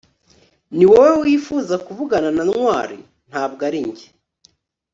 niwowe wifuzaga kuvugana na ntwali, ntabwo ari njye